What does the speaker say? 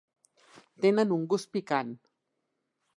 Tenen un gust picant.